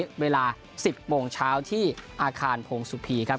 เวลา๑๐โมงเช้าที่อาคารพงศุพีครับ